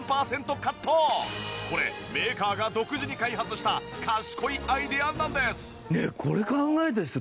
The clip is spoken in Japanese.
これメーカーが独自に開発した賢いアイデアなんです。